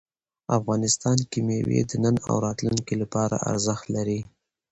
افغانستان کې مېوې د نن او راتلونکي لپاره ارزښت لري.